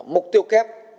mục tiêu kép